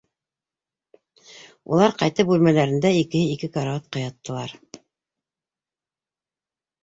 Улар ҡайтып бүлмәләрендә икеһе ике карауатҡа яттылар.